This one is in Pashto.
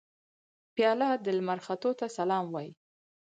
پیاله د لمر ختو ته سلام وايي.